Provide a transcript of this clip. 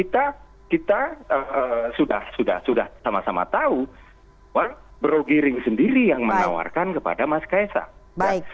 dan kita sudah sama sama tahu brogy ring sendiri yang menawarkan kepada mas ksang